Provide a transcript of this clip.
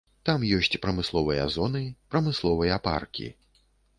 Там ёсць прамысловыя зоны, прамысловыя паркі.